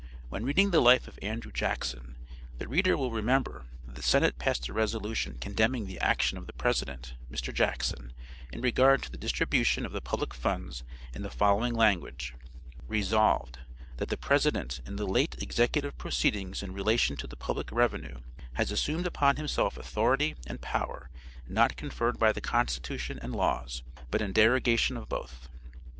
When reading the life of Andrew Jackson the reader will remember that the senate passed a resolution condemning the action of the president, Mr. Jackson, in regard to the distribution of the public funds in the following language: Resolved, That the president in the late executive proceedings in relation to the public revenue has assumed upon himself authority and power not conferred by the constitution and laws, but in derogation of both.